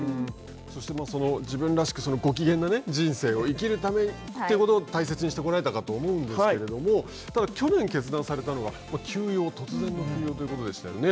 そして、自分らしくご機嫌な人生を生きるということを大切にしてこられたと思うんですけれども、ただ、去年決断されたのは、休養、突然の休養ということでしたよね。